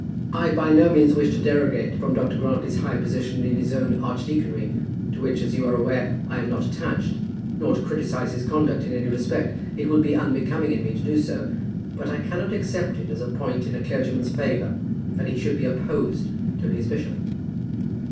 "I by no means wish to derogate from Dr. Grantly's high position in his own archdeaconry, to which, as you are aware, I am not attached, nor to criticize his conduct in any respect. It would be unbecoming in me to do so. But I cannot accept it as a point in a clergyman's favour, that he should be opposed to his bishop."